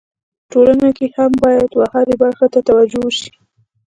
ټولنه کي هم باید و هري برخي ته توجو وسي.